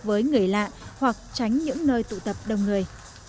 với người lạ hoặc tránh những nơi tụ tập đông người